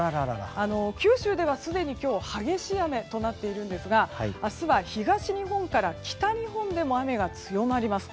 九州ではすでに今日激しい雨となっているんですが明日は東日本から北日本でも雨が強まります。